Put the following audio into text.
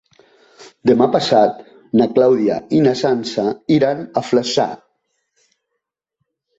Demà passat na Clàudia i na Sança iran a Flaçà.